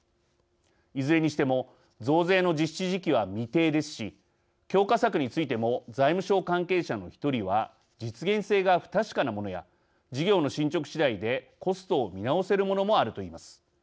いずれにしても増税の実施時期は未定ですし強化策についても財務省関係者の１人は「実現性が不確かなものや事業の進ちょく次第でコストを見直せるものもある」と言います。